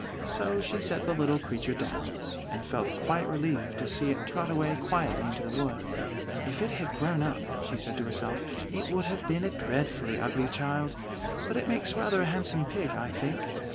So she set the little creature down, and felt quite relieved to see it trot away quietly into the wood. "If it had grown up," she said to herself, "it would have been a dreadfully ugly child: but it makes rather a handsome pig, I think."